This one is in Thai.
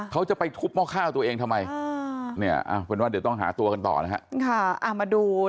เขาจะไปทุบหม้อข้าวตัวเองทำไมเป็นว่าเดี๋ยวต้องหาตัวกันต่อนะครับ